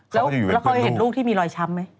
แล้วเคยเห็นลูกที่มีรอยช้ำไหม